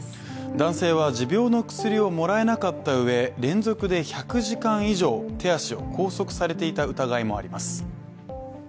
男性は持病の薬をもらえなかったうえ連続で１００時間以上、手足を拘束されていた疑いもあります。